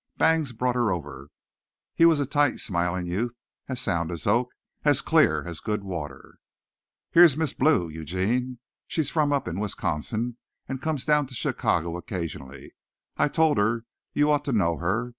Bangs brought her over. He was a tight, smiling youth, as sound as oak, as clear as good water. "Here's Miss Blue, Eugene. She's from up in Wisconsin, and comes down to Chicago occasionally. I told her you ought to know her.